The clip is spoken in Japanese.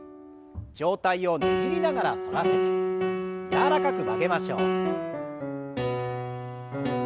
上体をねじりながら反らせて柔らかく曲げましょう。